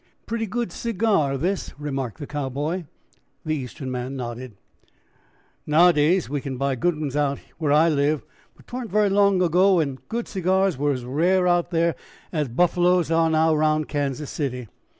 "Pretty good cigar this," remarked the Cowboy. The Eastern man nodded. "Nowadays we can buy good ones out where I live, but 'twa'n't very long ago when good cigars were as rare out there as buffaloes are now round Kansas City."